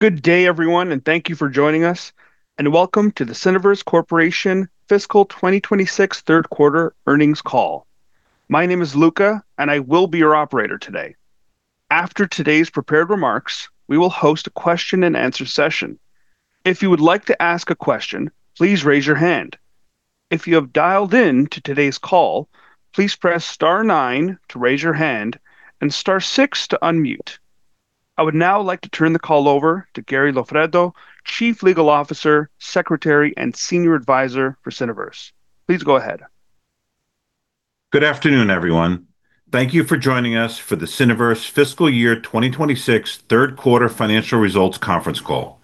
Good day, everyone, and thank you for joining us, and welcome to the Cineverse Corporation Fiscal 2026 third quarter earnings call. My name is Luca, and I will be your operator today. After today's prepared remarks, we will host a question-and-answer session. If you would like to ask a question, please raise your hand. If you have dialed in to today's call, please press star nine to raise your hand and star six to unmute. I would now like to turn the call over to Gary Loffredo, Chief Legal Officer, Secretary, and Senior Advisor for Cineverse. Please go ahead. Good afternoon, everyone. Thank you for joining us for the Cineverse Fiscal Year 2026 third quarter financial results conference call.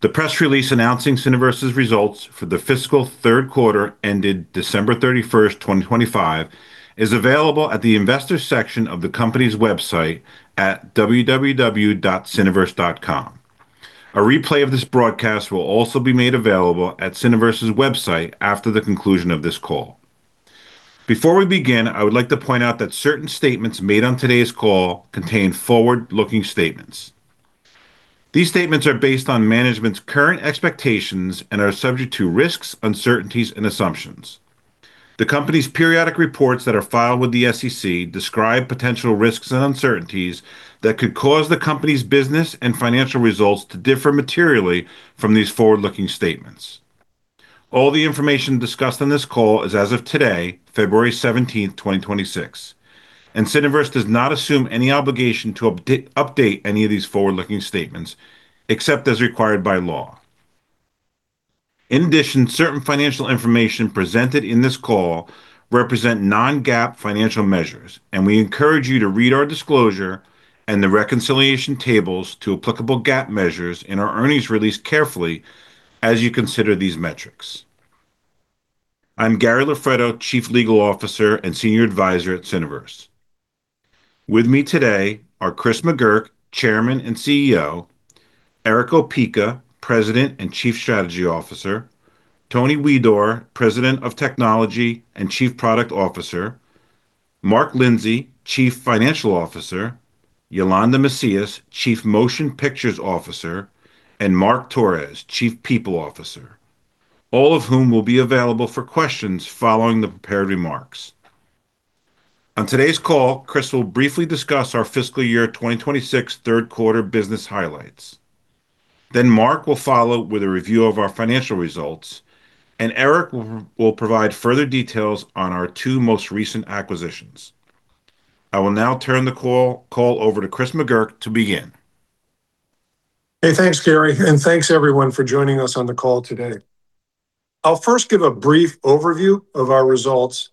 The press release announcing Cineverse's results for the fiscal third quarter ended December 31st, 2025, is available at the investor section of the company's website at www.cineverse.com. A replay of this broadcast will also be made available at Cineverse's website after the conclusion of this call. Before we begin, I would like to point out that certain statements made on today's call contain forward-looking statements. These statements are based on management's current expectations and are subject to risks, uncertainties, and assumptions. The company's periodic reports that are filed with the SEC describe potential risks and uncertainties that could cause the company's business and financial results to differ materially from these forward-looking statements. All the information discussed on this call is as of today, February seventeenth, 2026, and Cineverse does not assume any obligation to update any of these forward-looking statements, except as required by law. In addition, certain financial information presented in this call represent Non-GAAP financial measures, and we encourage you to read our disclosure and the reconciliation tables to applicable GAAP measures in our earnings release carefully as you consider these metrics. I'm Gary Loffredo, Chief Legal Officer and Senior Advisor at Cineverse. With me today are Chris McGurk, Chairman and CEO, Erick Opeka, President and Chief Strategy Officer, Tony Huidor, President of Technology and Chief Product Officer, Mark Lindsey, Chief Financial Officer, Yolanda Macias, Chief Motion Pictures Officer, and Mark Torres, Chief People Officer, all of whom will be available for questions following the prepared remarks. On today's call, Chris will briefly discuss our fiscal year 2026 third quarter business highlights. Then Mark will follow with a review of our financial results, and Erick will provide further details on our two most recent acquisitions. I will now turn the call over to Chris McGurk to begin. Hey, thanks, Gary, and thanks everyone for joining us on the call today. I'll first give a brief overview of our results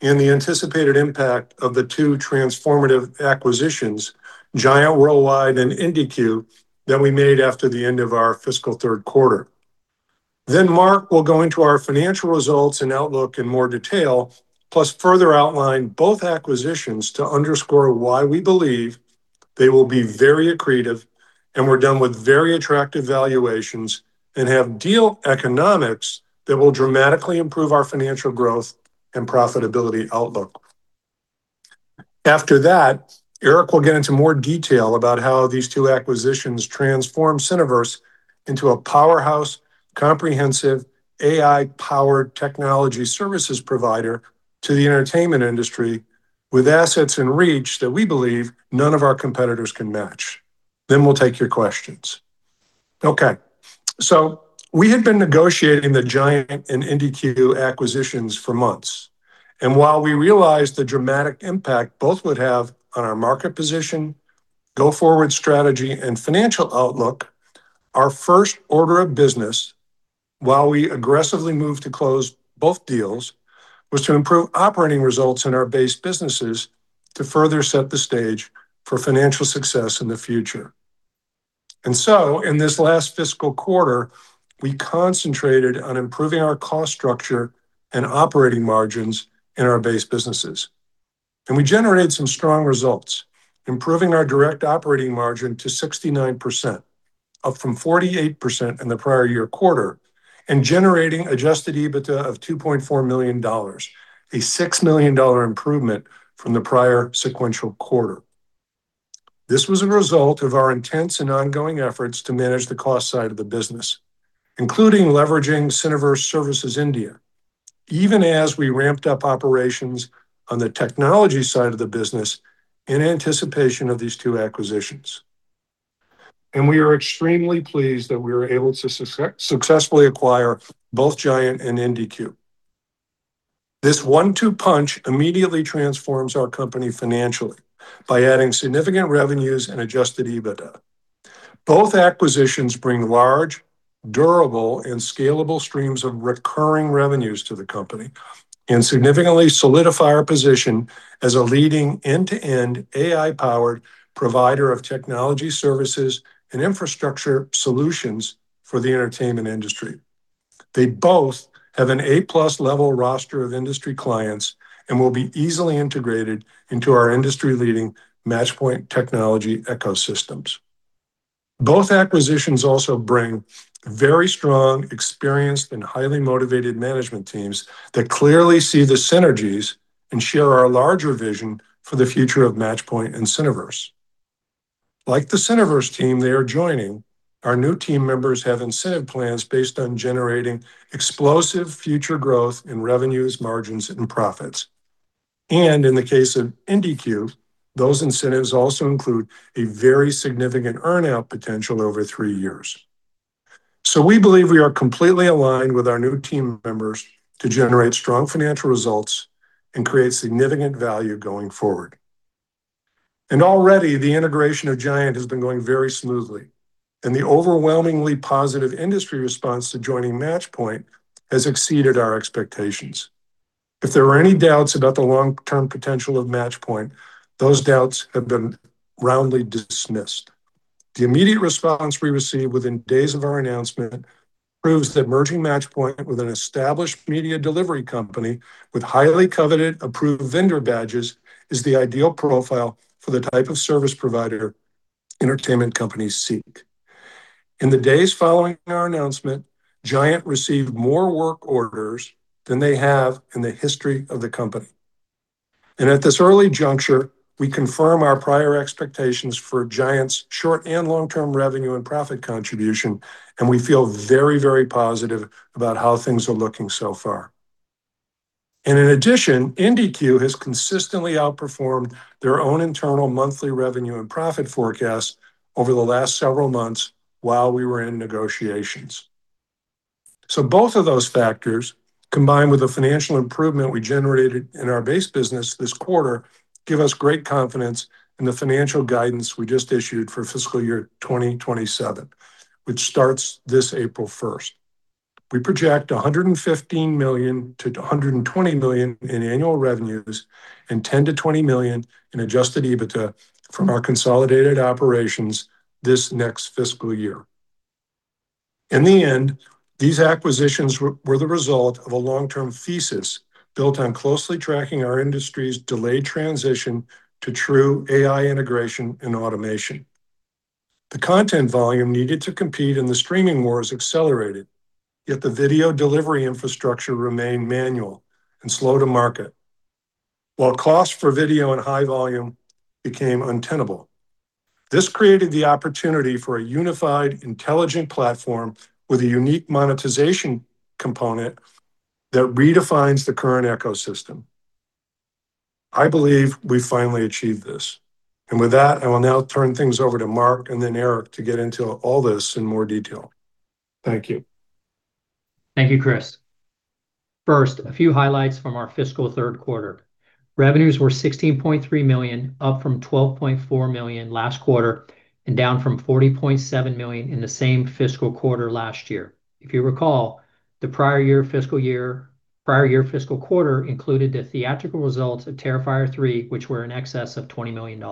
and the anticipated impact of the two transformative acquisitions, Giant Worldwide and IndiCue, that we made after the end of our fiscal third quarter. Then Mark will go into our financial results and outlook in more detail, plus further outline both acquisitions to underscore why we believe they will be very accretive and were done with very attractive valuations and have deal economics that will dramatically improve our financial growth and profitability outlook. After that, Erick will get into more detail about how these two acquisitions transform Cineverse into a powerhouse, comprehensive, AI-powered technology services provider to the entertainment industry, with assets and reach that we believe none of our competitors can match. Then we'll take your questions. Okay. So we had been negotiating the Giant and IndiCue acquisitions for months, and while we realized the dramatic impact both would have on our market position, go-forward strategy, and financial outlook, our first order of business, while we aggressively moved to close both deals, was to improve operating results in our base businesses to further set the stage for financial success in the future. And so, in this last fiscal quarter, we concentrated on improving our cost structure and operating margins in our base businesses. And we generated some strong results, improving our direct operating margin to 69%, up from 48% in the prior year quarter, and generating Adjusted EBITDA of $2.4 million, a $6 million improvement from the prior sequential quarter. This was a result of our intense and ongoing efforts to manage the cost side of the business, including leveraging Cineverse India, even as we ramped up operations on the technology side of the business in anticipation of these two acquisitions. We are extremely pleased that we were able to successfully acquire both Giant and IndiCue. This one-two punch immediately transforms our company financially by adding significant revenues and Adjusted EBITDA. Both acquisitions bring large, durable, and scalable streams of recurring revenues to the company and significantly solidify our position as a leading end-to-end, AI-powered provider of technology services and infrastructure solutions for the entertainment industry. They both have an A+ level roster of industry clients and will be easily integrated into our industry-leading Matchpoint technology ecosystems. Both acquisitions also bring very strong, experienced, and highly motivated management teams that clearly see the synergies. share our larger vision for the future of Matchpoint and Cineverse. Like the Cineverse team they are joining, our new team members have incentive plans based on generating explosive future growth in revenues, margins, and profits. In the case of IndiCue, those incentives also include a very significant earn-out potential over three years. We believe we are completely aligned with our new team members to generate strong financial results and create significant value going forward. Already, the integration of Giant has been going very smoothly, and the overwhelmingly positive industry response to joining Matchpoint has exceeded our expectations. If there were any doubts about the long-term potential of Matchpoint, those doubts have been roundly dismissed. The immediate response we received within days of our announcement proves that merging Matchpoint with an established media delivery company with highly coveted approved vendor badges is the ideal profile for the type of service provider entertainment companies seek. In the days following our announcement, Giant received more work orders than they have in the history of the company. At this early juncture, we confirm our prior expectations for Giant's short and long-term revenue and profit contribution, and we feel very, very positive about how things are looking so far. In addition, IndiCue has consistently outperformed their own internal monthly revenue and profit forecast over the last several months while we were in negotiations. So both of those factors, combined with the financial improvement we generated in our base business this quarter, give us great confidence in the financial guidance we just issued for fiscal year 2027, which starts this April 1. We project $115 million-$120 million in annual revenues and $10 million-$20 million in Adjusted EBITDA from our consolidated operations this next fiscal year. In the end, these acquisitions were the result of a long-term thesis built on closely tracking our industry's delayed transition to true AI integration and automation. The content volume needed to compete in the streaming war has accelerated, yet the video delivery infrastructure remained manual and slow to market, while costs for video and high volume became untenable. This created the opportunity for a unified, intelligent platform with a unique monetization component that redefines the current ecosystem. I believe we finally achieved this, and with that, I will now turn things over to Mark and then Erick to get into all this in more detail. Thank you. Thank you, Chris. First, a few highlights from our fiscal third quarter. Revenues were $16.3 million, up from $12.4 million last quarter and down from $40.7 million in the same fiscal quarter last year. If you recall, the prior year fiscal quarter included the theatrical results of Terrifier 3, which were in excess of $20 million.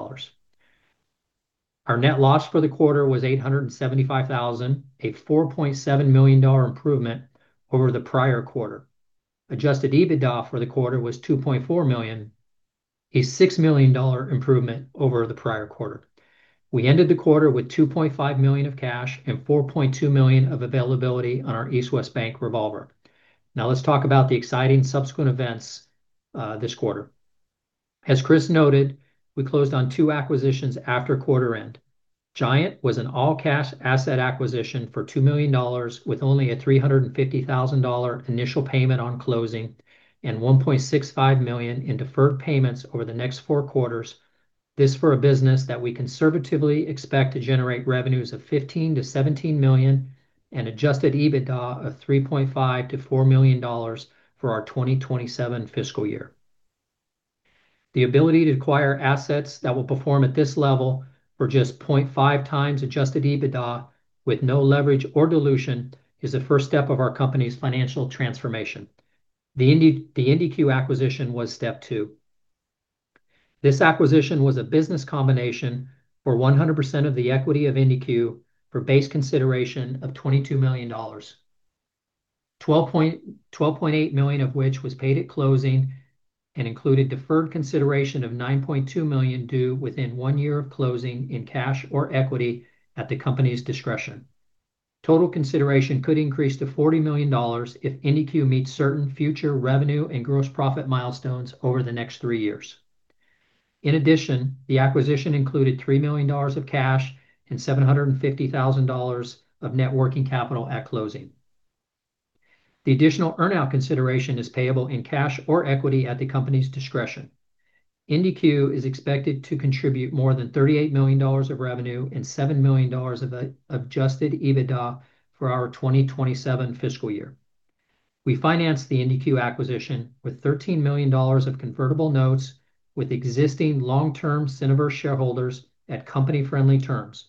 Our net loss for the quarter was $875,000, a $4.7 million dollar improvement over the prior quarter. Adjusted EBITDA for the quarter was $2.4 million, a $6 million dollar improvement over the prior quarter. We ended the quarter with $2.5 million of cash and $4.2 million of availability on our East West Bank revolver. Now, let's talk about the exciting subsequent events this quarter. As Chris noted, we closed on two acquisitions after quarter end. Giant was an all-cash asset acquisition for $2 million, with only a $350,000 initial payment on closing and $1.65 million in deferred payments over the next four quarters. This for a business that we conservatively expect to generate revenues of $15 million-$17 million and Adjusted EBITDA of $3.5 million-$4 million for our 2027 fiscal year. The ability to acquire assets that will perform at this level for just 0.5x Adjusted EBITDA with no leverage or dilution is the first step of our company's financial transformation. The IndiCue acquisition was step two. This acquisition was a business combination for 100% of the equity of IndiCue for base consideration of $22 million. $12.8 million of which was paid at closing and included deferred consideration of $9.2 million due within one year of closing in cash or equity at the company's discretion. Total consideration could increase to $40 million if IndiCue meets certain future revenue and gross profit milestones over the next three years. In addition, the acquisition included $3 million of cash and $750,000 of net working capital at closing. The additional earn-out consideration is payable in cash or equity at the company's discretion. IndiCue is expected to contribute more than $38 million of revenue and $7 million of Adjusted EBITDA for our 2027 fiscal year. We financed the IndiCue acquisition with $13 million of convertible notes, with existing long-term Cineverse shareholders at company-friendly terms,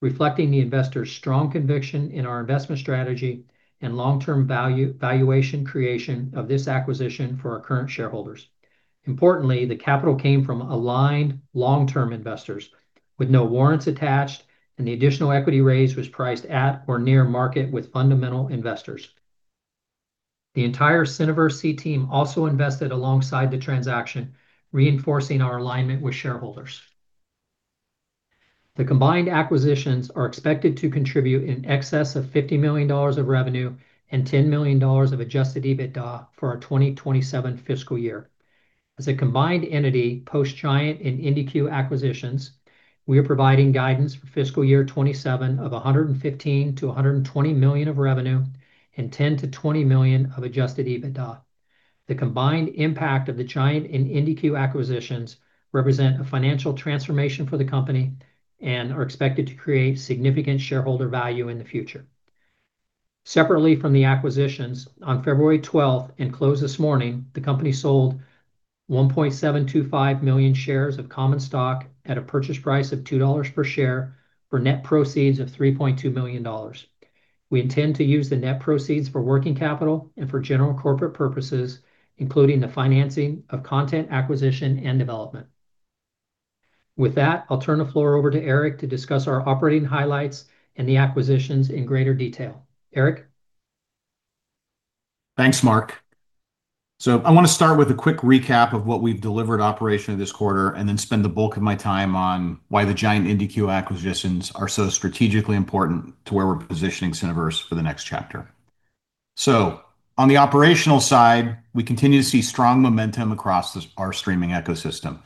reflecting the investors' strong conviction in our investment strategy and long-term value valuation creation of this acquisition for our current shareholders. Importantly, the capital came from aligned long-term investors with no warrants attached, and the additional equity raise was priced at or near market with fundamental investors. The entire Cineverse team also invested alongside the transaction, reinforcing our alignment with shareholders. The combined acquisitions are expected to contribute in excess of $50 million of revenue and $10 million of Adjusted EBITDA for our 2027 fiscal year. As a combined entity, post Giant and IndiCue acquisitions, we are providing guidance for fiscal year 2027 of $115 million-$120 million of revenue and $10 million-$20 million of Adjusted EBITDA. The combined impact of the Giant and IndiCue acquisitions represent a financial transformation for the company and are expected to create significant shareholder value in the future. Separately from the acquisitions, on February 12th and closed this morning, the company sold 1.725 million shares of common stock at a purchase price of $2 per share, for net proceeds of $3.2 million. We intend to use the net proceeds for working capital and for general corporate purposes, including the financing of content acquisition and development. With that, I'll turn the floor over to Erick to discuss our operating highlights and the acquisitions in greater detail. Erick? Thanks, Mark. So I want to start with a quick recap of what we've delivered operationally this quarter, and then spend the bulk of my time on why the Giant IndiCue acquisitions are so strategically important to where we're positioning Cineverse for the next chapter. So on the operational side, we continue to see strong momentum across this, our streaming ecosystem.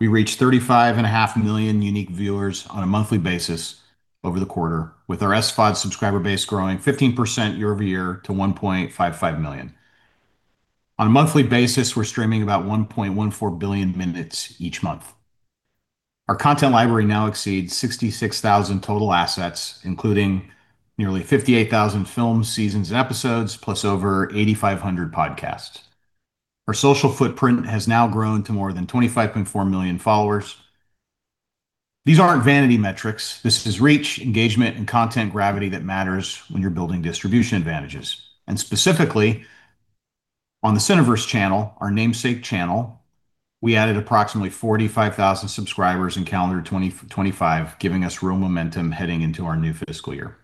We reached 35.5 million unique viewers on a monthly basis over the quarter, with our SVOD subscriber base growing 15% year-over-year to 1.55 million. On a monthly basis, we're streaming about 1.14 billion minutes each month. Our content library now exceeds 66,000 total assets, including nearly 58,000 films, seasons, and episodes, plus over 8,500 podcasts. Our social footprint has now grown to more than 25.4 million followers. These aren't vanity metrics. This is reach, engagement, and content gravity that matters when you're building distribution advantages. Specifically, on the Cineverse channel, our namesake channel, we added approximately 45,000 subscribers in calendar 2025, giving us real momentum heading into our new fiscal year.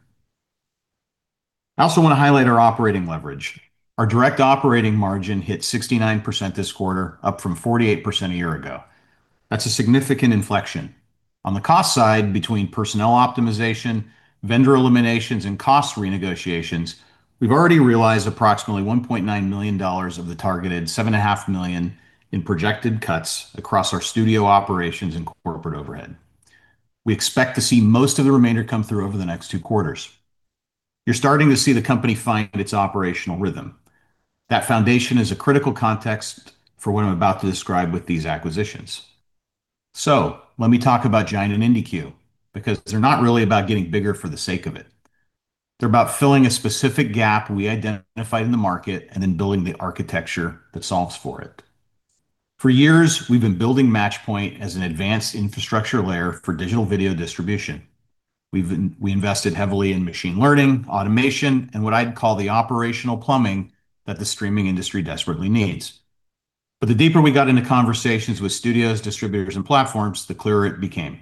I also want to highlight our operating leverage. Our direct operating margin hit 69% this quarter, up from 48% a year ago. That's a significant inflection. On the cost side, between personnel optimization, vendor eliminations, and cost renegotiations, we've already realized approximately $1.9 million of the targeted $7.5 million in projected cuts across our studio operations and corporate overhead. We expect to see most of the remainder come through over the next two quarters. You're starting to see the company find its operational rhythm. That foundation is a critical context for what I'm about to describe with these acquisitions. Let me talk about Giant Worldwide and IndiCue, because they're not really about getting bigger for the sake of it. They're about filling a specific gap we identified in the market and then building the architecture that solves for it. For years, we've been building Matchpoint as an advanced infrastructure layer for digital video distribution. We invested heavily in machine learning, automation, and what I'd call the operational plumbing that the streaming industry desperately needs. But the deeper we got into conversations with studios, distributors, and platforms, the clearer it became.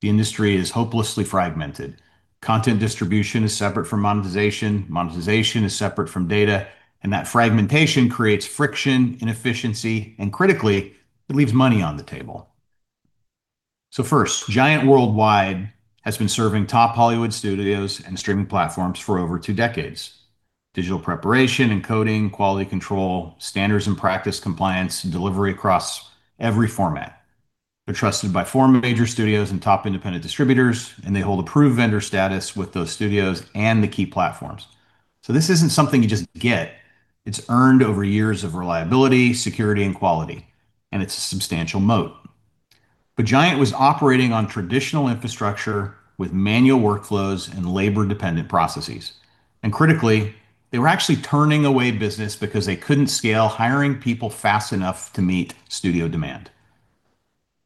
The industry is hopelessly fragmented. Content distribution is separate from monetization, monetization is separate from data, and that fragmentation creates friction, inefficiency, and critically, it leaves money on the table. First, Giant Worldwide has been serving top Hollywood studios and streaming platforms for over two decades. Digital preparation, encoding, quality control, standards and practice compliance, and delivery across every format. They're trusted by four major studios and top independent distributors, and they hold approved vendor status with those studios and the key platforms. So this isn't something you just get. It's earned over years of reliability, security, and quality, and it's a substantial moat. But Giant was operating on traditional infrastructure with manual workflows and labor-dependent processes. And critically, they were actually turning away business because they couldn't scale hiring people fast enough to meet studio demand.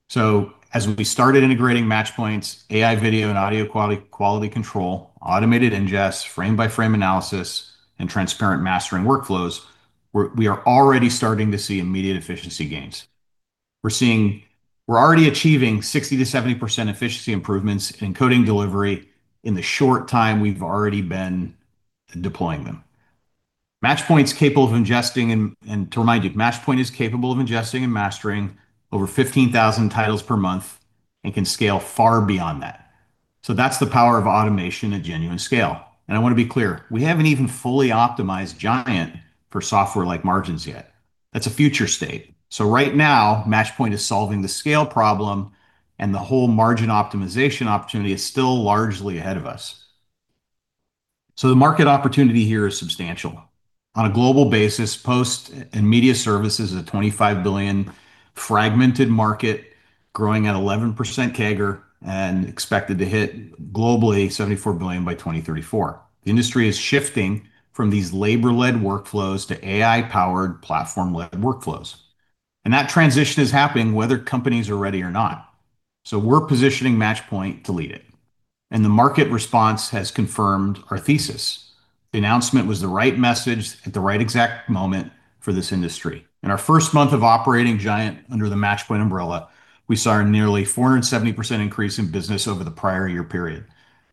So as we started integrating Matchpoint's AI video and audio quality, quality control, automated ingest, frame-by-frame analysis, and transparent mastering workflows, we're- we are already starting to see immediate efficiency gains. We're seeing- we're already achieving 60%-70% efficiency improvements in coding delivery in the short time we've already been deploying them. To remind you, Matchpoint is capable of ingesting and mastering over 15,000 titles per month and can scale far beyond that. So that's the power of automation at genuine scale. And I want to be clear, we haven't even fully optimized Giant for software-like margins yet. That's a future state. So right now, Matchpoint is solving the scale problem, and the whole margin optimization opportunity is still largely ahead of us. So the market opportunity here is substantial. On a global basis, post- and media services is a $25 billion fragmented market, growing at 11% CAGR, and expected to hit globally $74 billion by 2034. The industry is shifting from these labor-led workflows to AI-powered, platform-led workflows. That transition is happening whether companies are ready or not. So we're positioning Matchpoint to lead it, and the market response has confirmed our thesis. The announcement was the right message at the right exact moment for this industry. In our first month of operating Giant under the Matchpoint umbrella, we saw a nearly 470% increase in business over the prior year period.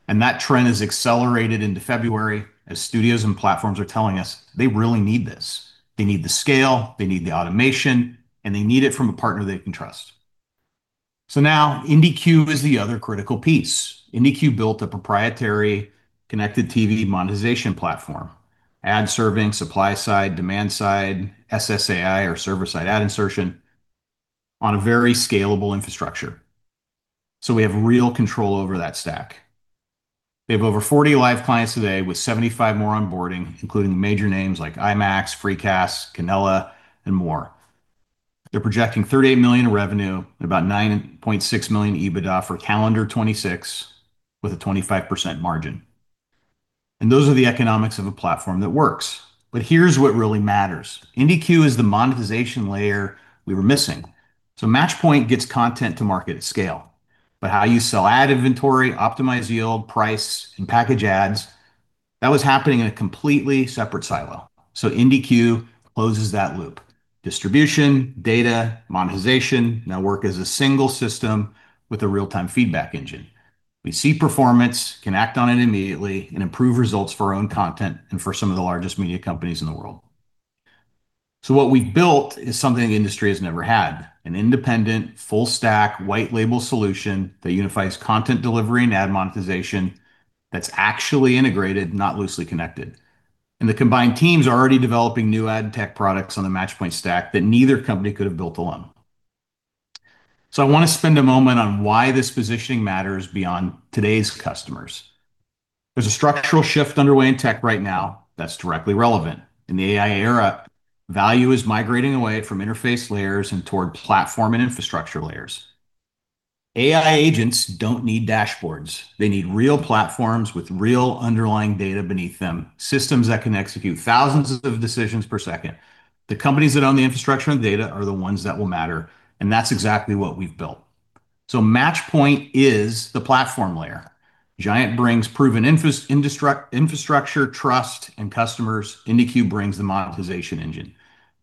That trend has accelerated into February, as studios and platforms are telling us they really need this. They need the scale, they need the automation, and they need it from a partner they can trust... So now, IndiCue is the other critical piece. IndiCue built a proprietary connected TV monetization platform, ad serving, supply side, demand side, SSAI or server-side ad insertion, on a very scalable infrastructure. So we have real control over that stack. We have over 40 live clients today, with 75 more onboarding, including major names like IMAX, FreeCast, Canela, and more. They're projecting $38 million in revenue and about $9.6 million EBITDA for calendar 2026, with a 25% margin, and those are the economics of a platform that works. But here's what really matters: IndiCue is the monetization layer we were missing. So Matchpoint gets content to market at scale, but how you sell ad inventory, optimize yield, price, and package ads, that was happening in a completely separate silo. So IndiCue closes that loop. Distribution, data, monetization now work as a single system with a real-time feedback engine. We see performance, can act on it immediately, and improve results for our own content and for some of the largest media companies in the world. What we've built is something the industry has never had, an independent, full-stack, white label solution that unifies content delivery and ad monetization that's actually integrated, not loosely connected. The combined teams are already developing new ad tech products on the Matchpoint stack that neither company could have built alone. I want to spend a moment on why this positioning matters beyond today's customers. There's a structural shift underway in tech right now that's directly relevant. In the AI era, value is migrating away from interface layers and toward platform and infrastructure layers. AI agents don't need dashboards. They need real platforms with real underlying data beneath them, systems that can execute thousands of decisions per second. The companies that own the infrastructure and data are the ones that will matter, and that's exactly what we've built. Matchpoint is the platform layer. Giant brings proven infrastructure, trust, and customers. IndiCue brings the monetization engine.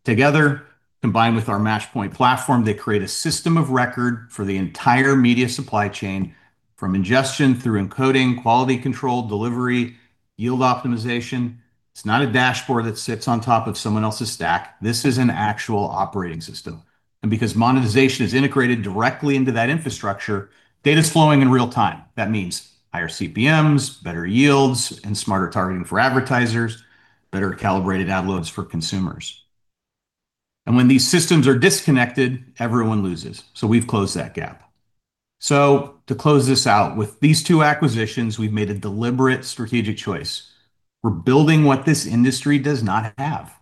Together, combined with our Matchpoint platform, they create a system of record for the entire media supply chain, from ingestion through encoding, quality control, delivery, yield optimization. It's not a dashboard that sits on top of someone else's stack. This is an actual operating system, and because monetization is integrated directly into that infrastructure, data is flowing in real time. That means higher CPMs, better yields, and smarter targeting for advertisers, better calibrated ad loads for consumers. And when these systems are disconnected, everyone loses, so we've closed that gap. So to close this out, with these two acquisitions, we've made a deliberate strategic choice. We're building what this industry does not have: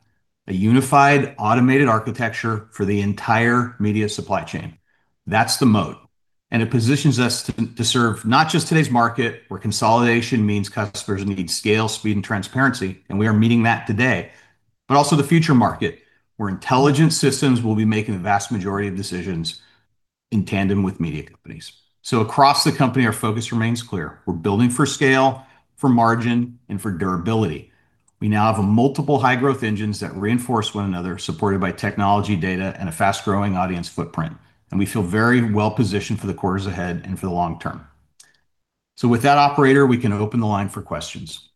a unified, automated architecture for the entire media supply chain. That's the moat, and it positions us to serve not just today's market, where consolidation means customers need scale, speed, and transparency, and we are meeting that today, but also the future market, where intelligent systems will be making the vast majority of decisions in tandem with media companies. So across the company, our focus remains clear. We're building for scale, for margin, and for durability. We now have multiple high-growth engines that reinforce one another, supported by technology, data, and a fast-growing audience footprint, and we feel very well positioned for the quarters ahead and for the long term. So with that, operator, we can open the line for questions.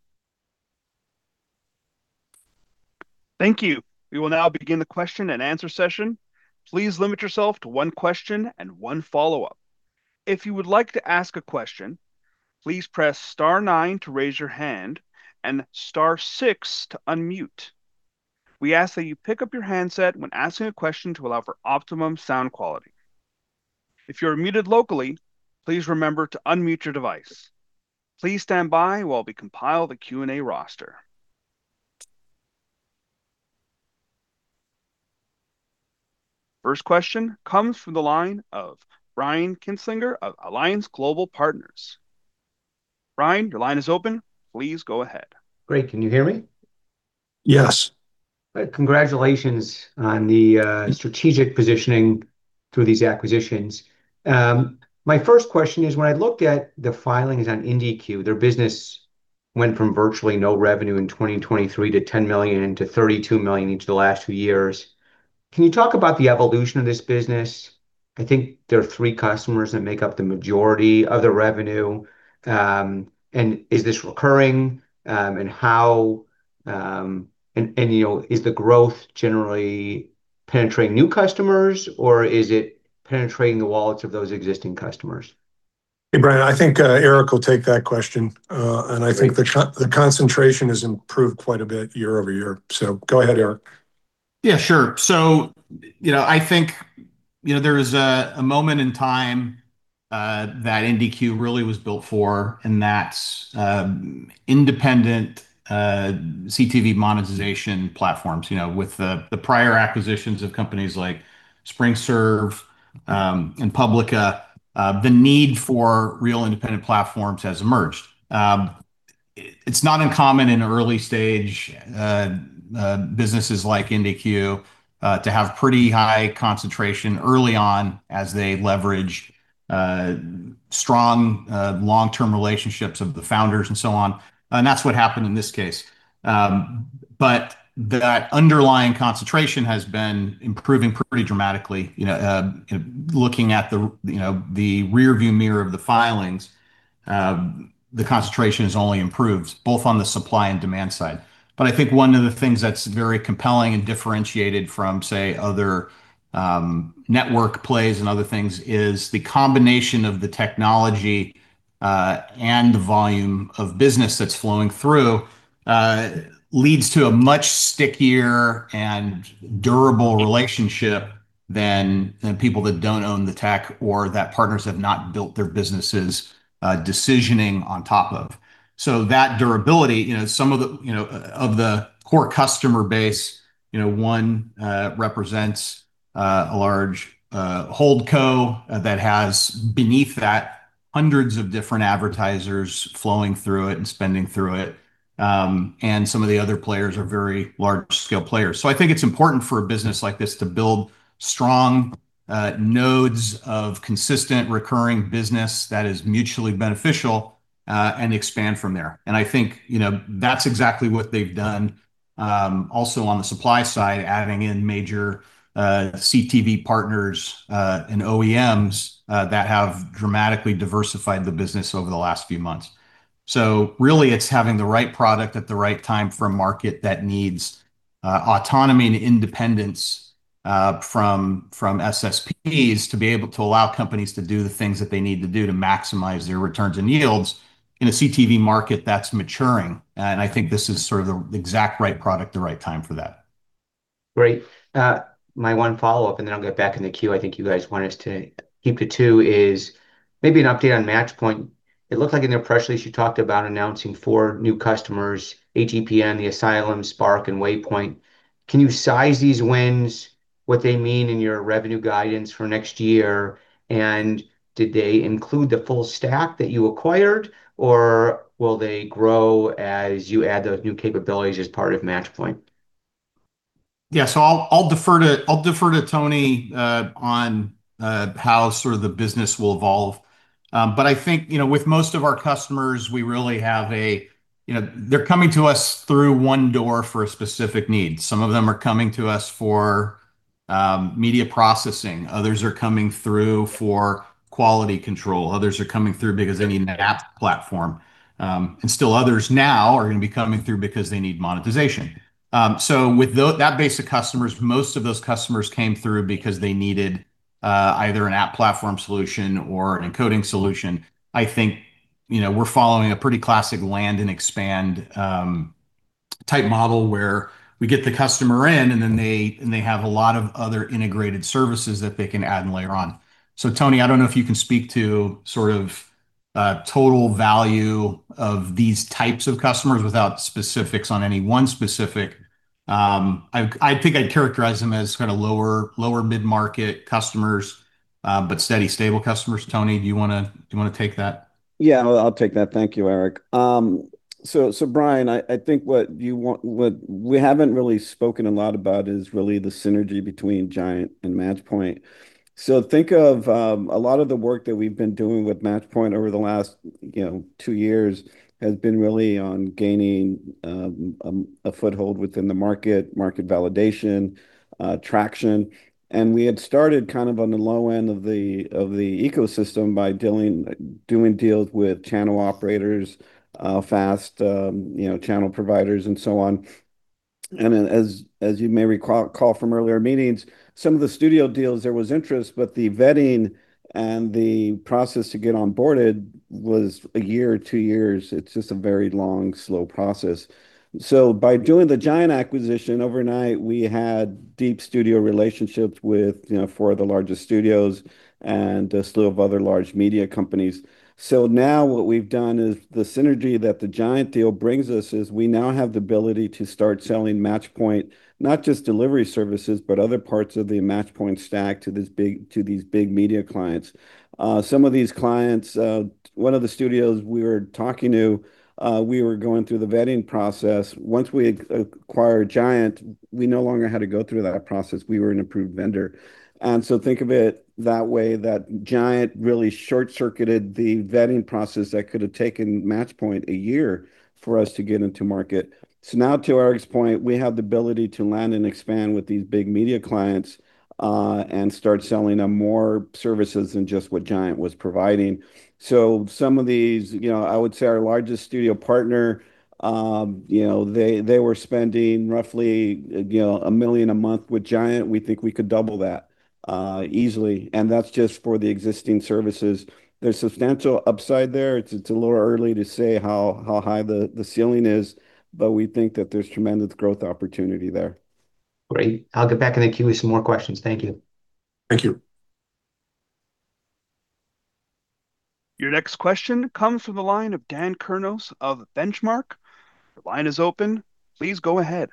Thank you. We will now begin the question-and-answer session. Please limit yourself to one question and one follow-up. If you would like to ask a question, please press star nine to raise your hand and star six to unmute. We ask that you pick up your handset when asking a question to allow for optimum sound quality. If you are muted locally, please remember to unmute your device. Please stand by while we compile the Q&A roster. First question comes from the line of Brian Kinstlinger of Alliance Global Partners. Brian, your line is open. Please go ahead. Great. Can you hear me? Yes. Congratulations on the strategic positioning through these acquisitions. My first question is, when I looked at the filings on IndiCue, their business went from virtually no revenue in 2023 to $10 million, to $32 million each the last two years. Can you talk about the evolution of this business? I think there are three customers that make up the majority of the revenue, and is this recurring, and how... and, and, you know, is the growth generally penetrating new customers, or is it penetrating the wallets of those existing customers? Hey, Brian, I think Erick will take that question, and I think- Great... the concentration has improved quite a bit year-over-year. So go ahead, Erick. Yeah, sure. So, you know, I think, you know, there is a moment in time that IndiCue really was built for, and that's independent CTV monetization platforms. You know, with the prior acquisitions of companies like SpringServe and Publica, the need for real independent platforms has emerged. It's not uncommon in early-stage businesses like IndiCue to have pretty high concentration early on as they leverage strong long-term relationships of the founders and so on, and that's what happened in this case. But that underlying concentration has been improving pretty dramatically. You know, looking at the rearview mirror of the filings, the concentration has only improved, both on the supply and demand side.... But I think one of the things that's very compelling and differentiated from, say, other, network plays and other things, is the combination of the technology, and the volume of business that's flowing through, leads to a much stickier and durable relationship than the people that don't own the tech or that partners have not built their businesses, decisioning on top of. So that durability, you know, some of the, you know, of the core customer base, you know, one represents, a large HoldCo that has, beneath that, hundreds of different advertisers flowing through it and spending through it. And some of the other players are very large-scale players. So I think it's important for a business like this to build strong, nodes of consistent, recurring business that is mutually beneficial, and expand from there. I think, you know, that's exactly what they've done. Also on the supply side, adding in major CTV partners and OEMs that have dramatically diversified the business over the last few months. So really, it's having the right product at the right time for a market that needs autonomy and independence from SSPs to be able to allow companies to do the things that they need to do to maximize their returns and yields in a CTV market that's maturing. And I think this is sort of the exact right product at the right time for that. Great. My one follow-up, and then I'll get back in the queue. I think you guys want us to keep it to, is maybe an update on Matchpoint. It looked like in their press release, you talked about announcing four new customers, HAPN, The Asylum, Spark, and Waypoint. Can you size these wins, what they mean in your revenue guidance for next year? And did they include the full stack that you acquired, or will they grow as you add those new capabilities as part of Matchpoint? Yeah, so I'll defer to Tony on how sort of the business will evolve. But I think, you know, with most of our customers, we really have a... You know, they're coming to us through one door for a specific need. Some of them are coming to us for media processing, others are coming through for quality control, others are coming through because they need an app platform. And still others now are gonna be coming through because they need monetization. So with that base of customers, most of those customers came through because they needed either an app platform solution or an encoding solution. I think, you know, we're following a pretty classic land and expand type model, where we get the customer in, and then they have a lot of other integrated services that they can add and layer on. So, Tony, I don't know if you can speak to sort of total value of these types of customers without specifics on any one specific. I think I'd characterize them as kind of lower, lower mid-market customers, but steady, stable customers. Tony, do you wanna take that? Yeah, I'll take that. Thank you, Erick. So, Brian, I think what you want—what we haven't really spoken a lot about is really the synergy between Giant and Matchpoint. So think of a lot of the work that we've been doing with Matchpoint over the last, you know, two years, has been really on gaining a foothold within the market, market validation, traction. And we had started kind of on the low end of the ecosystem by doing deals with channel operators, FAST, you know, channel providers, and so on. And then, as you may recall from earlier meetings, some of the studio deals, there was interest, but the vetting and the process to get onboarded was a year or two years. It's just a very long, slow process. So by doing the Giant acquisition, overnight, we had deep studio relationships with, you know, four of the largest studios and a slew of other large media companies. So now what we've done is the synergy that the Giant deal brings us is we now have the ability to start selling Matchpoint, not just delivery services, but other parts of the Matchpoint stack to these big media clients. Some of these clients, one of the studios we were talking to, we were going through the vetting process. Once we acquired Giant, we no longer had to go through that process. We were an approved vendor. And so think of it that way, that Giant really short-circuited the vetting process that could have taken Matchpoint a year for us to get into market. So now, to Erick's point, we have the ability to land and expand with these big media clients, and start selling them more services than just what Giant was providing. So some of these, you know, I would say our largest studio partner, you know, they, they were spending roughly, you know, $1 million a month with Giant. We think we could double that, easily, and that's just for the existing services. There's substantial upside there. It's, it's a little early to say how, how high the, the ceiling is, but we think that there's tremendous growth opportunity there. Great. I'll get back in the queue with some more questions. Thank you. Thank you. Your next question comes from the line of Dan Kurnos of Benchmark. The line is open. Please go ahead.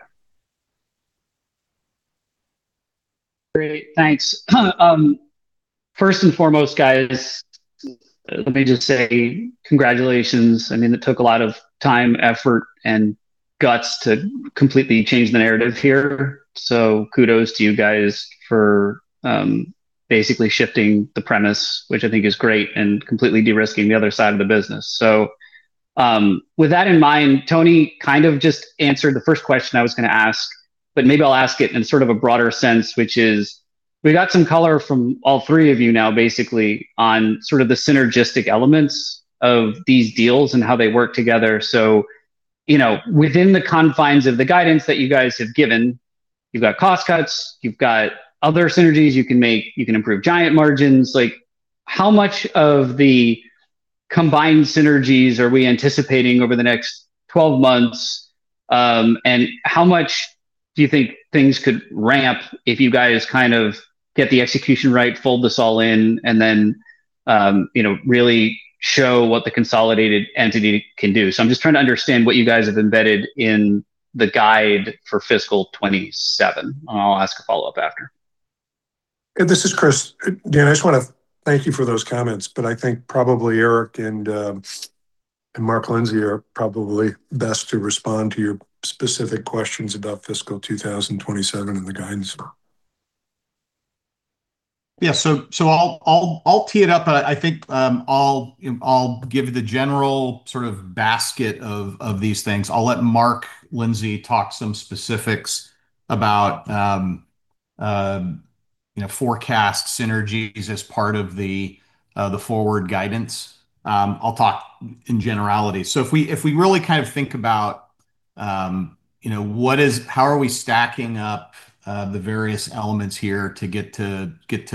Great, thanks. First and foremost, guys, let me just say congratulations. I mean, it took a lot of time, effort, and guts to completely change the narrative here. So kudos to you guys for basically shifting the premise, which I think is great, and completely de-risking the other side of the business. So, with that in mind, Tony kind of just answered the first question I was gonna ask, but maybe I'll ask it in sort of a broader sense, which is-... We got some color from all three of you now basically on sort of the synergistic elements of these deals and how they work together. So, you know, within the confines of the guidance that you guys have given, you've got cost cuts, you've got other synergies you can make, you can improve Giant margins. Like, how much of the combined synergies are we anticipating over the next 12 months? And how much do you think things could ramp if you guys kind of get the execution right, fold this all in, and then, you know, really show what the consolidated entity can do? So I'm just trying to understand what you guys have embedded in the guide for fiscal 2027. And I'll ask a follow-up after. This is Chris. Dan, I just wanna thank you for those comments, but I think probably Erick and and Mark Lindsey are probably best to respond to your specific questions about fiscal 2027 and the guidance. Yeah, so I'll tee it up. I think I'll give you the general sort of basket of these things. I'll let Mark Lindsey talk some specifics about, you know, forecast synergies as part of the forward guidance. I'll talk in generality. So if we really kind of think about, you know, what is-- how are we stacking up the various elements here to get to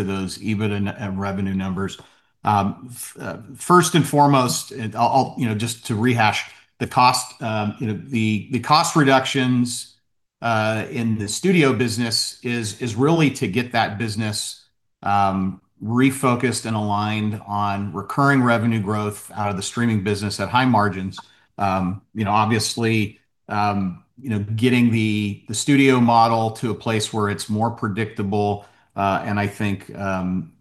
those EBIT and revenue numbers. First and foremost, I'll-- you know, just to rehash the cost, you know, the cost reductions in the studio business is really to get that business refocused and aligned on recurring revenue growth out of the streaming business at high margins. You know, obviously, you know, getting the studio model to a place where it's more predictable, and I think, you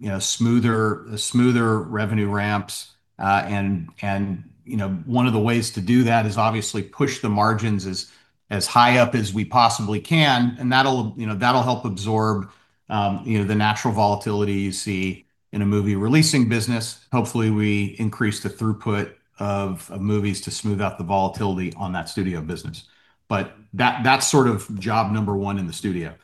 know, smoother, smoother revenue ramps. You know, one of the ways to do that is obviously push the margins as high up as we possibly can, and that'll, you know, that'll help absorb, you know, the natural volatility you see in a movie-releasing business. Hopefully, we increase the throughput of movies to smooth out the volatility on that studio business. But that's sort of job number one in the studio.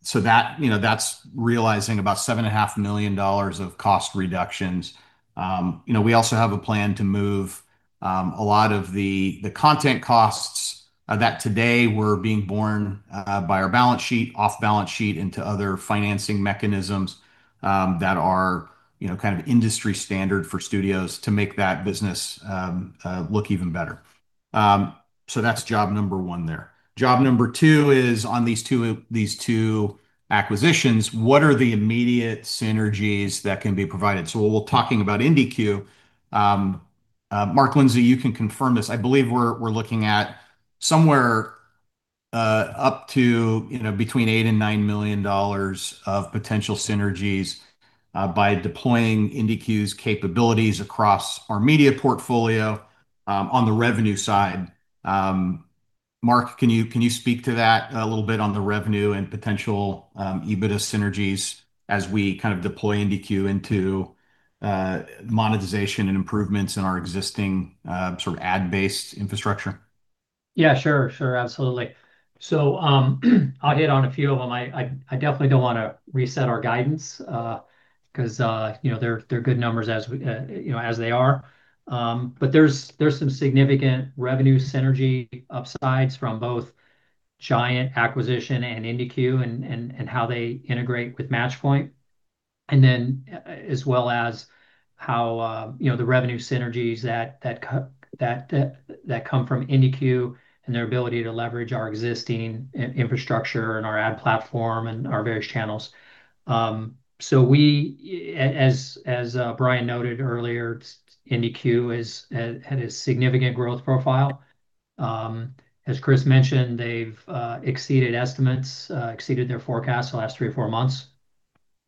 So that, you know, that's realizing about $7.5 million of cost reductions. You know, we also have a plan to move a lot of the content costs that today were being borne by our balance sheet, off balance sheet, into other financing mechanisms that are, you know, kind of industry standard for studios to make that business look even better. So that's job number one there. Job number two is, on these two acquisitions, what are the immediate synergies that can be provided? So we're talking about IndiCue. Mark Lindsey, you can confirm this. I believe we're looking at somewhere up to, you know, between $8 million and $9 million of potential synergies by deploying IndiCue's capabilities across our media portfolio on the revenue side. Mark, can you, can you speak to that a little bit on the revenue and potential EBITDA synergies as we kind of deploy IndiCue into monetization and improvements in our existing sort of ad-based infrastructure? Yeah, sure, sure. Absolutely. So, I'll hit on a few of them. I definitely don't wanna reset our guidance, 'cause, you know, they're good numbers, as we, you know, as they are. But there's some significant revenue synergy upsides from both Giant acquisition and IndiCue and how they integrate with Matchpoint. And then, as well as how, you know, the revenue synergies that come from IndiCue and their ability to leverage our existing infrastructure and our ad platform and our various channels. So we, as Brian noted earlier, IndiCue had a significant growth profile. As Chris mentioned, they've exceeded estimates, exceeded their forecast the last three or four months.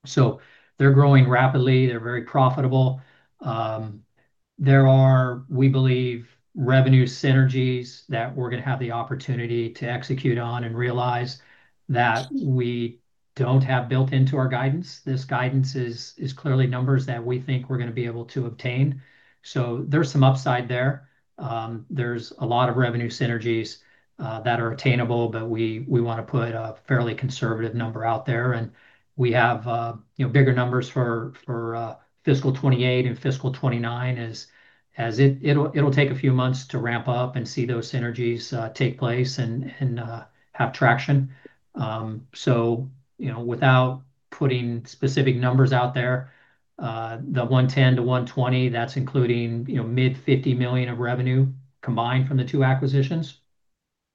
So they're growing rapidly, they're very profitable. There are, we believe, revenue synergies that we're gonna have the opportunity to execute on and realize that we don't have built into our guidance. This guidance is clearly numbers that we think we're gonna be able to obtain, so there's some upside there. There's a lot of revenue synergies that are attainable, but we wanna put a fairly conservative number out there. And we have, you know, bigger numbers for fiscal 2028 and fiscal 2029 as it'll take a few months to ramp up and see those synergies take place and have traction. So, you know, without putting specific numbers out there, the 110-120, that's including, you know, mid-$50 million of revenue combined from the two acquisitions,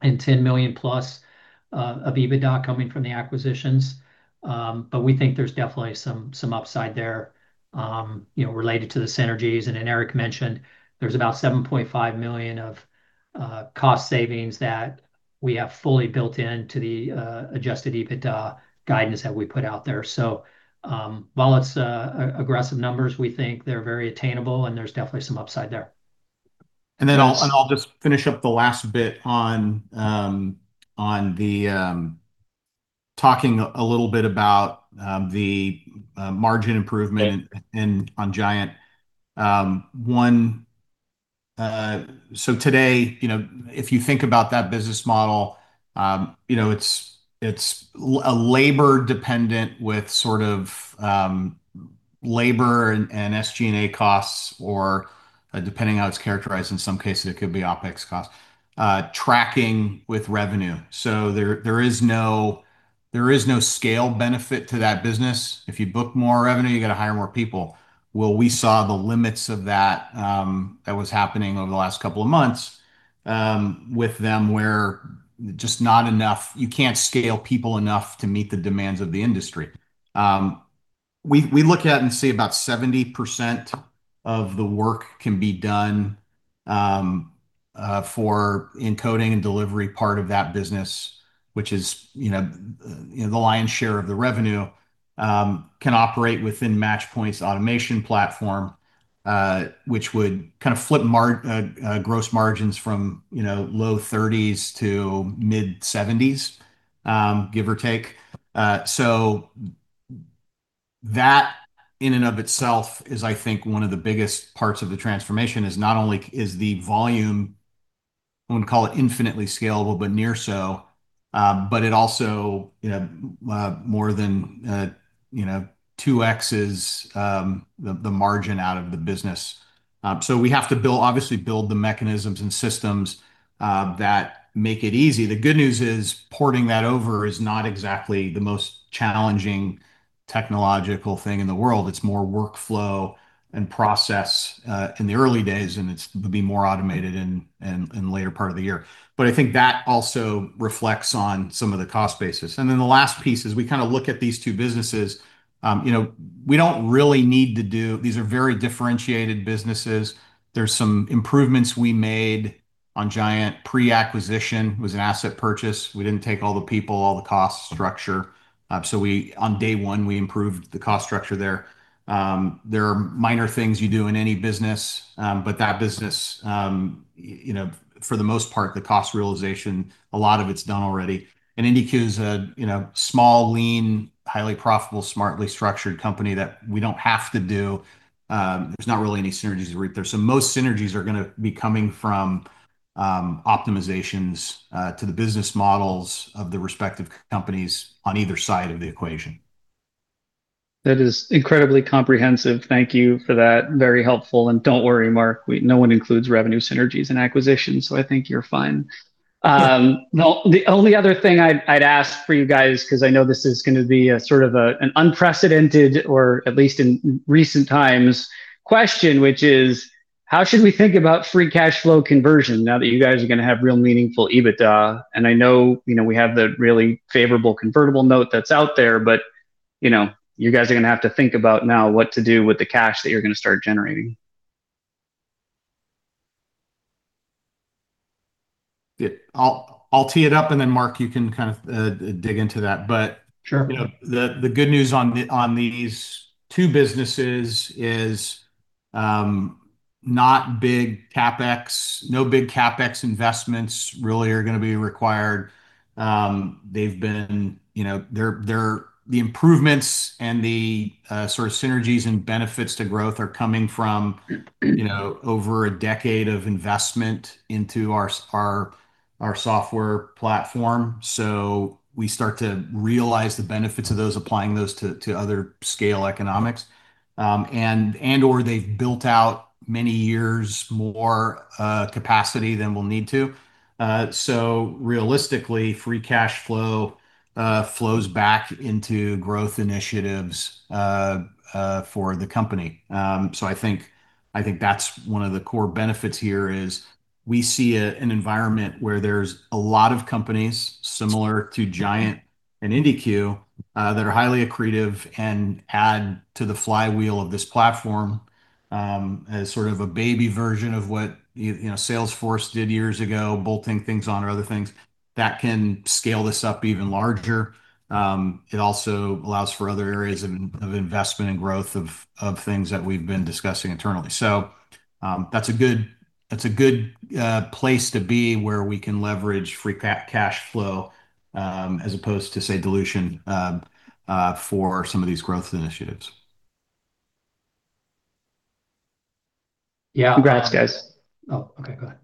and $10+ million of EBITDA coming from the acquisitions. But we think there's definitely some upside there, you know, related to the synergies. And then Erick mentioned there's about $7.5 million of cost savings that we have fully built into the Adjusted EBITDA guidance that we put out there. So, while it's aggressive numbers, we think they're very attainable, and there's definitely some upside there. And then I'll just finish up the last bit on talking a little bit about the margin improvement in on Giant. So today, you know, if you think about that business model, you know, it's a labor dependent with sort of labor and SG&A costs, or depending how it's characterized, in some cases it could be OpEx costs tracking with revenue. So there is no scale benefit to that business. If you book more revenue, you've got to hire more people. Well, we saw the limits of that that was happening over the last couple of months with them, where you just can't scale people enough to meet the demands of the industry. We look at it and see about 70% of the work can be done for encoding and delivery part of that business, which is, you know, the lion's share of the revenue, can operate within Matchpoint's automation platform, which would kind of flip gross margins from, you know, low 30s% to mid-70s%, give or take. So that, in and of itself, is I think one of the biggest parts of the transformation, is not only is the volume, I wouldn't call it infinitely scalable, but near so, but it also, you know, more than, you know, 2x the margin out of the business. So we have to build, obviously build the mechanisms and systems that make it easy. The good news is, porting that over is not exactly the most challenging technological thing in the world. It's more workflow and process in the early days, and it's going to be more automated in the later part of the year. But I think that also reflects on some of the cost basis. And then the last piece is, we kind of look at these two businesses, you know, we don't really need to do... These are very differentiated businesses. There's some improvements we made on Giant pre-acquisition. It was an asset purchase. We didn't take all the people, all the cost structure. So we, on day one, we improved the cost structure there. There are minor things you do in any business, but that business, you know, for the most part, the cost realization, a lot of it's done already. IndiCue is a, you know, small, lean, highly profitable, smartly structured company that we don't have to do. There's not really any synergies to reap there. So most synergies are gonna be coming from optimizations to the business models of the respective companies on either side of the equation. That is incredibly comprehensive. Thank you for that. Very helpful, and don't worry, Mark, no one includes revenue synergies in acquisitions, so I think you're fine. The only other thing I'd ask for you guys, 'cause I know this is gonna be a sort of an unprecedented, or at least in recent times, question, which is: How should we think about free cash flow conversion now that you guys are gonna have real meaningful EBITDA? And I know, you know, we have the really favorable convertible note that's out there, but, you know, you guys are gonna have to think about now what to do with the cash that you're gonna start generating. Yeah. I'll, I'll tee it up, and then, Mark, you can kind of dig into that. But- Sure. You know, the good news on these two businesses is not big CapEx. No big CapEx investments really are gonna be required. They've been, you know, they're, they're the improvements and the sort of synergies and benefits to growth are coming from you know, over a decade of investment into our software platform. So we start to realize the benefits of those, applying those to other scale economics. And/or they've built out many years more capacity than we'll need to. So realistically, free cash flow flows back into growth initiatives for the company. So I think, I think that's one of the core benefits here, is we see an environment where there's a lot of companies similar to Giant and IndiCue, that are highly accretive and add to the flywheel of this platform, as sort of a baby version of what you know, Salesforce did years ago, bolting things on or other things, that can scale this up even larger. It also allows for other areas of investment and growth of things that we've been discussing internally. So, that's a good, that's a good place to be, where we can leverage free cash flow, as opposed to, say, dilution, for some of these growth initiatives. Yeah- Congrats, guys. Oh, okay. Go ahead.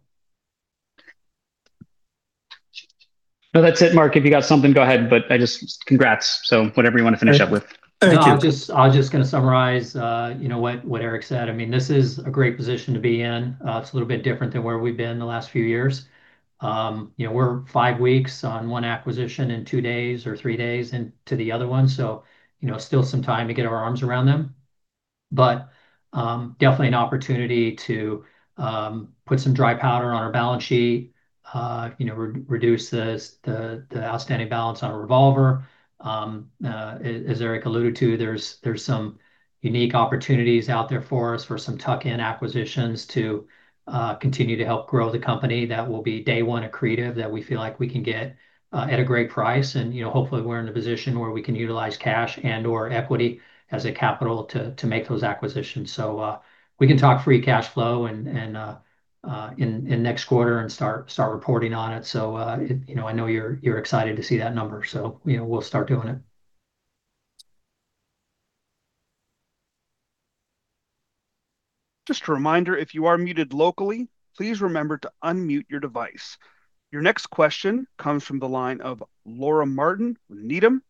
No, that's it, Mark. If you got something, go ahead, but I just... Congrats. So whatever you want to finish up with. Thank you. I'll just, I'm just gonna summarize, you know, what, what Erick said. I mean, this is a great position to be in. It's a little bit different than where we've been the last few years. You know, we're five weeks on one acquisition and two days or three days into the other one, so you know, still some time to get our arms around them. But, definitely an opportunity to put some dry powder on our balance sheet, you know, reduce the outstanding balance on a revolver. As Erick alluded to, there's some unique opportunities out there for us for some tuck-in acquisitions to continue to help grow the company that will be day one accretive, that we feel like we can get at a great price. You know, hopefully, we're in a position where we can utilize cash and/or equity as a capital to make those acquisitions. So, we can talk free cash flow and in next quarter and start reporting on it. So, you know, I know you're excited to see that number, so, you know, we'll start doing it. Just a reminder, if you are muted locally, please remember to unmute your device. Your next question comes from the line of Laura Martin with Needham.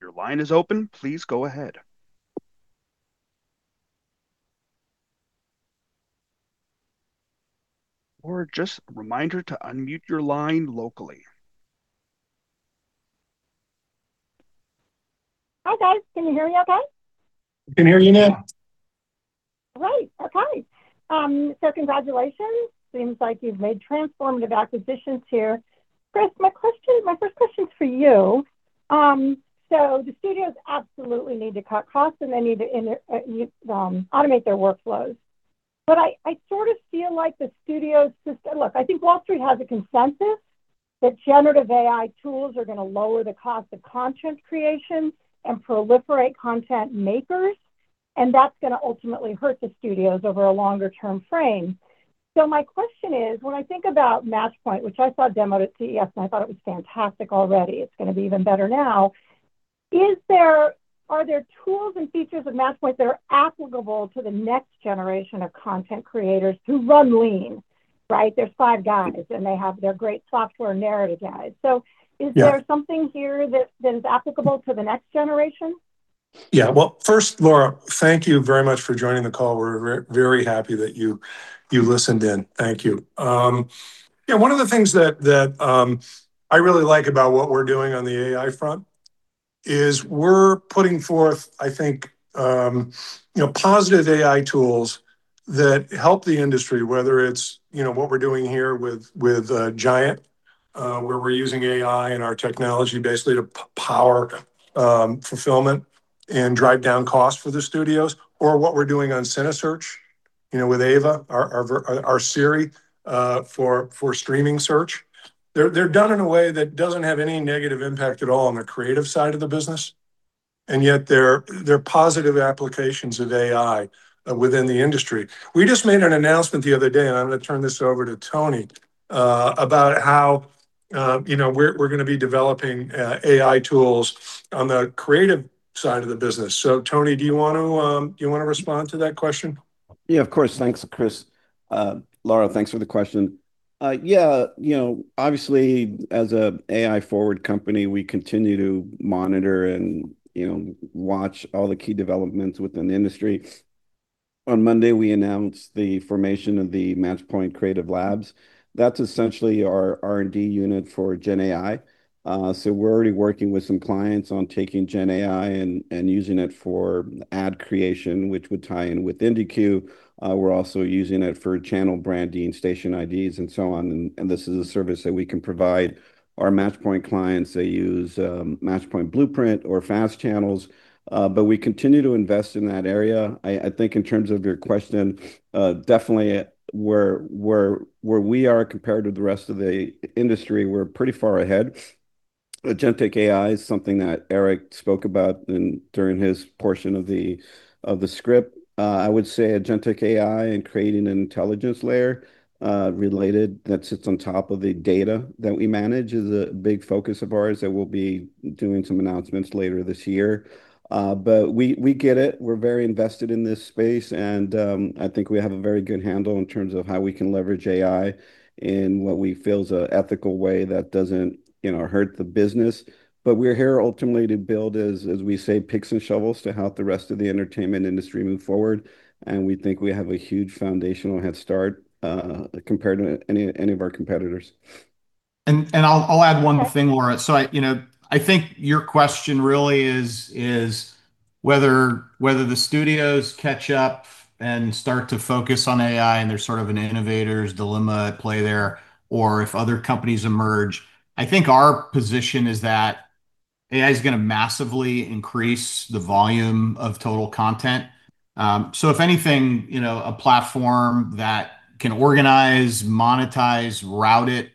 Your line is open. Please go ahead. Laura, just a reminder to unmute your line locally. Hi, guys. Can you hear me okay? We can hear you now. Great. Okay, so congratulations. Seems like you've made transformative acquisitions here. Chris, my question, my first question's for you. So the studios absolutely need to cut costs, and they need to automate their workflows. But I sort of feel like the studios look, I think Wall Street has a consensus that generative AI tools are gonna lower the cost of content creation and proliferate content makers, and that's gonna ultimately hurt the studios over a longer term frame. So my question is, when I think about Matchpoint, which I saw a demo at CES, and I thought it was fantastic already, it's gonna be even better now. Are there tools and features of Matchpoint that are applicable to the next generation of content creators who run lean, right? They're five guys, and they have their great software narrative guys. So- Yeah... is there something here that is applicable to the next generation? Yeah. Well, first, Laura, thank you very much for joining the call. We're very happy that you, you listened in. Thank you. Yeah, one of the things that, that I really like about what we're doing on the AI front is we're putting forth, I think, you know, positive AI tools that help the industry, whether it's what we're doing here with Giant, where we're using AI and our technology basically to power fulfilment and drive down costs for the studios, or what we're doing on cineSearch with Ava, our Siri for streaming search. They're done in a way that doesn't have any negative impact at all on the creative side of the business, and yet they're positive applications of AI within the industry. We just made an announcement the other day, and I'm gonna turn this over to Tony, about how, you know, we're, we're gonna be developing, AI tools on the creative side of the business. So Tony, do you want to, do you want to respond to that question? Yeah, of course. Thanks, Chris. Laura, thanks for the question. Yeah, you know, obviously, as an AI-forward company, we continue to monitor and, you know, watch all the key developments within the industry. On Monday, we announced the formation of the Matchpoint Creative Labs. That's essentially our R&D unit for Gen AI. So we're already working with some clients on taking Gen AI and using it for ad creation, which would tie in with IndiCue. We're also using it for channel branding, station IDs, and so on, and this is a service that we can provide our Matchpoint clients. They use Matchpoint Blueprint FAST channels, but we continue to invest in that area. I think in terms of your question, definitely where we are compared to the rest of the industry, we're pretty far ahead. Agentic AI is something that Erick spoke about during his portion of the script. I would Agentic AI and creating an intelligence layer related that sits on top of the data that we manage is a big focus of ours, that we'll be doing some announcements later this year. But we get it. We're very invested in this space, and I think we have a very good handle in terms of how we can leverage AI in what we feel is an ethical way that doesn't, you know, hurt the business. But we're here ultimately to build, as we say, picks and shovels to help the rest of the entertainment industry move forward, and we think we have a huge foundational head start compared to any of our competitors. And I'll add one thing, Laura. So, you know, I think your question really is whether the studios catch up and start to focus on AI, and there's sort of an innovator's dilemma at play there, or if other companies emerge. I think our position is that AI is gonna massively increase the volume of total content. So if anything, you know, a platform that can organize, monetize, route it,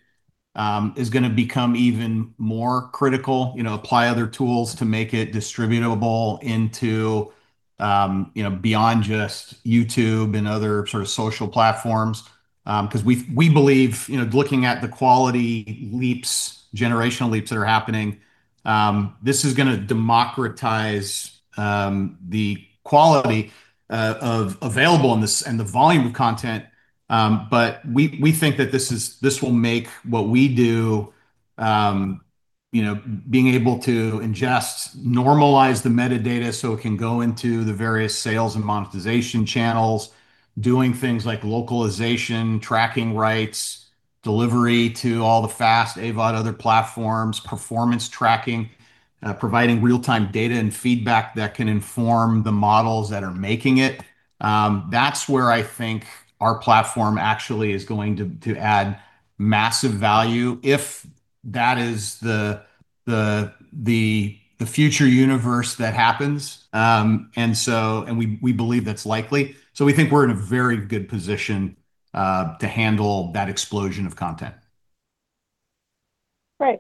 is gonna become even more critical. You know, apply other tools to make it distributable into, you know, beyond just YouTube and other sort of social platforms. 'Cause we believe, you know, looking at the quality leaps, generational leaps that are happening, this is gonna democratize the quality of available and the scale and the volume of content. But we think that this will make what we do... You know, being able to ingest, normalize the metadata, so it can go into the various sales and monetization channels, doing things like localization, tracking rights, delivery to all the FAST, AVOD, other platforms, performance tracking, providing real-time data and feedback that can inform the models that are making it. That's where I think our platform actually is going to add massive value if that is the future universe that happens. And we believe that's likely. So we think we're in a very good position to handle that explosion of content. Great.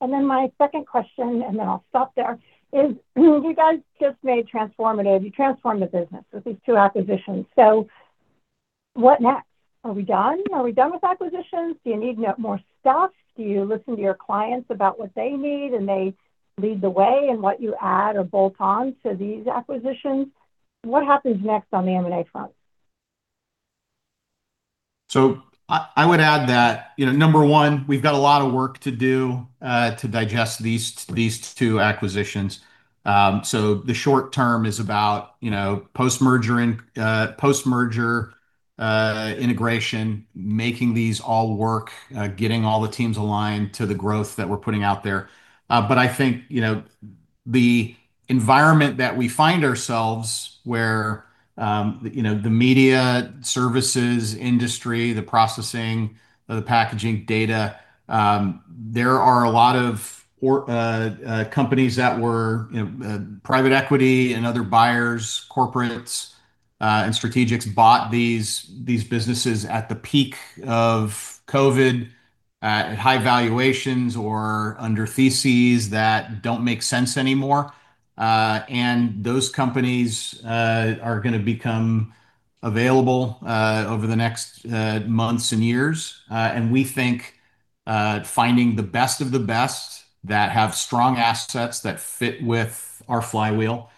And then my second question, and then I'll stop there, is you guys just made transformative- you transformed the business with these two acquisitions. So, what next? Are we done? Are we done with acquisitions? Do you need more stuff? Do you listen to your clients about what they need, and they lead the way in what you add or bolt on to these acquisitions? What happens next on the M&A front? So I would add that, you know, number one, we've got a lot of work to do to digest these two acquisitions. So the short term is about, you know, post-merger and post-merger integration, making these all work, getting all the teams aligned to the growth that we're putting out there. But I think, you know, the environment that we find ourselves, where, you know, the media services industry, the processing, the packaging data, there are a lot of companies that were, you know, private equity and other buyers, corporates, and strategics bought these businesses at the peak of COVID, at high valuations or under theses that don't make sense anymore. And those companies are gonna become available over the next months and years. We think finding the best of the best that have strong assets that fit with our flywheel,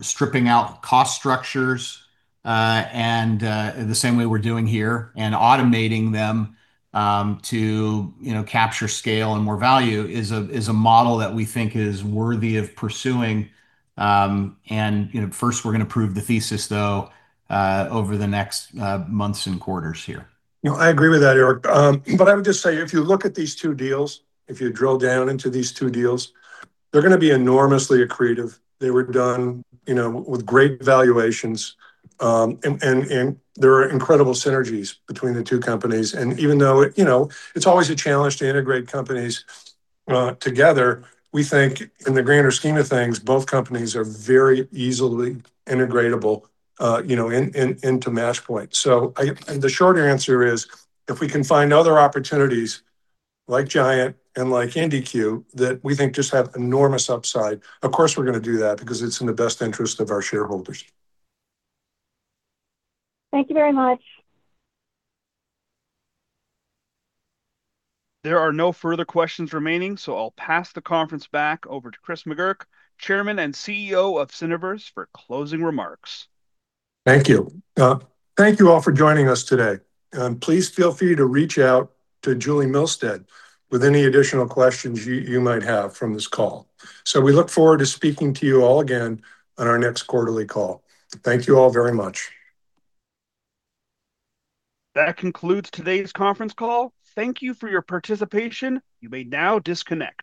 stripping out cost structures, and the same way we're doing here, and automating them, to you know, capture scale and more value, is a model that we think is worthy of pursuing. You know, first, we're gonna prove the thesis, though, over the next months and quarters here. You know, I agree with that, Erick. But I would just say, if you look at these two deals, if you drill down into these two deals, they're gonna be enormously accretive. They were done, you know, with great valuations, and, and, and there are incredible synergies between the two companies. And even though, you know, it's always a challenge to integrate companies together, we think in the grander scheme of things, both companies are very easily integratable, you know, in, in, into Matchpoint. So I... And the short answer is, if we can find other opportunities like Giant and like IndiCue, that we think just have enormous upside, of course, we're gonna do that because it's in the best interest of our shareholders. Thank you very much. There are no further questions remaining, so I'll pass the conference back over to Chris McGurk, Chairman and CEO of Cineverse, for closing remarks. Thank you. Thank you all for joining us today, and please feel free to reach out to Julie Milstead with any additional questions you might have from this call. So we look forward to speaking to you all again on our next quarterly call. Thank you all very much. That concludes today's conference call. Thank you for your participation. You may now disconnect.